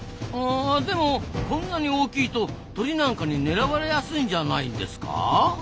あでもこんなに大きいと鳥なんかに狙われやすいんじゃないんですか？